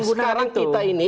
sekarang kita ini